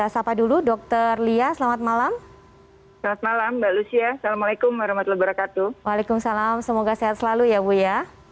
waalaikumsalam semoga sehat selalu ya bu ya